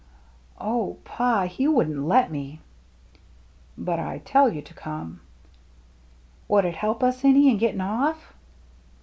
"Oh, Pa — he wouldn't let me —"" But I tell you to come." " Would it help us any in getting off